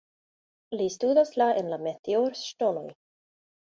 Li studas la en la meteorŝtonoj.